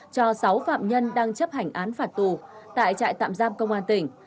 cho sáu phạm nhân đang chấp hành án phạt tù tại trại tạm giam công an tỉnh